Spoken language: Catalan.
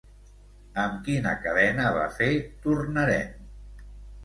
Amb quina cadena va fer "Tornarem"?